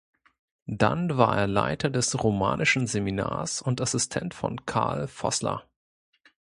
Dann war er Leiter des Romanischen Seminars und Assistent von Karl Vossler.